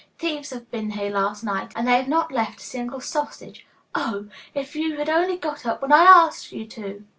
Thieves have been here last night, and they have not left a single sausage. Oh! if you had only got up when I asked you to!